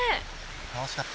楽しかった。